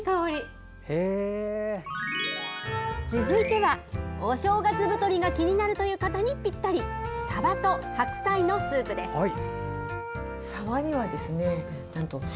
続いては、お正月太りが気になるという方にぴったり「さばと白菜のスープ」です。